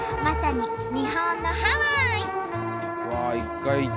まさに日本のハワイ！